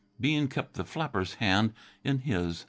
Bean kept the flapper's hand in his.